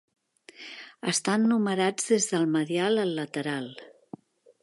Estan numerats des del medial al lateral.